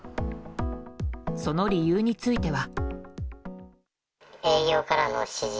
その理由については。